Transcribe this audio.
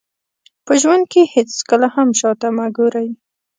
په ژوند کې هېڅکله هم شاته مه ګورئ.